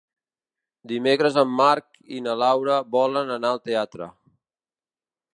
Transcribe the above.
Dimecres en Marc i na Laura volen anar al teatre.